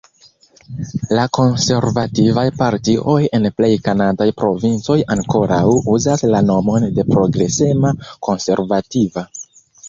La konservativaj partioj en plej kanadaj provincoj ankoraŭ uzas la nomon de Progresema Konservativa.